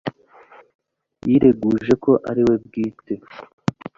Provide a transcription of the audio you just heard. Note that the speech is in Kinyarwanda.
yireguje ko ari we bwite